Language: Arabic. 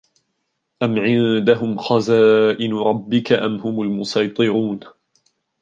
أَمْ عِندَهُمْ خَزَائِنُ رَبِّكَ أَمْ هُمُ الْمُصَيْطِرُونَ